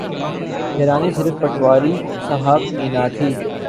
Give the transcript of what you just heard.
حیرانی صرف پٹواری صاحب کی نہ تھی۔